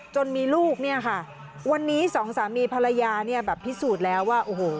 จนมีลูกเนี่ยค่ะวันนี้สองสามีภรรยาเนี่ยแบบพิสูจน์แล้วว่าโอ้โห